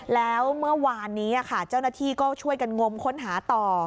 แล้วเมื่อวานนี้เจ้าหน้าที่ก็ช่วยกันงมค้นหาต่อ